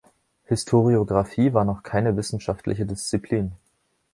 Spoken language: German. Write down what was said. Historiographie war noch keine wissenschaftliche Disziplin.